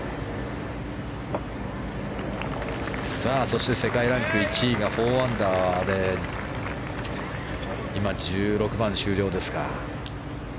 そして世界ランク１位が４アンダーで今、１６番終了ですか。